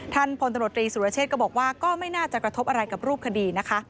พลตำรวจตรีสุรเชษก็บอกว่าก็ไม่น่าจะกระทบอะไรกับรูปคดีนะคะ